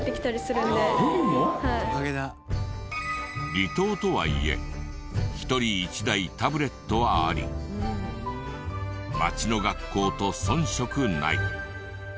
離島とはいえ１人１台タブレットはあり街の学校と遜色ない。